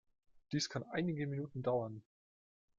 Dies kann einige Minuten dauern.